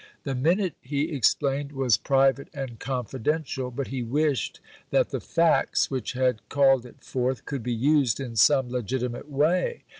The Minute, he explained, was Private and Confidential, but he wished that the facts which had called it forth could be used in some legitimate way.